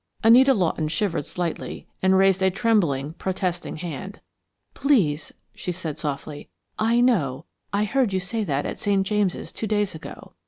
Anita Lawton shivered slightly, and raised a trembling, protesting hand. "Please," she said, softly, "I know I heard you say that at St. James' two days ago.